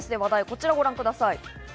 こちらをご覧ください。